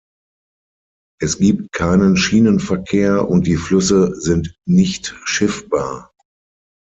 Es gibt keinen Schienenverkehr und die Flüsse sind nicht schiffbar.